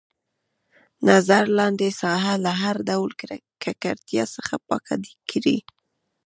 نظر لاندې ساحه له هر ډول ککړتیا څخه پاکه کړئ.